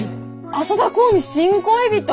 浅田航に新恋人？